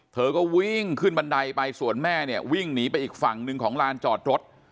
เธอก็วิ่งขึ้นบันไดไปส่วนแม่เนี่ยวิ่งหนีไปอีกฝั่งหนึ่งของลานจอดรถ